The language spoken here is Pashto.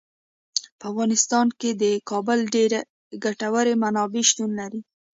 په افغانستان کې د کابل ډیرې ګټورې منابع شتون لري.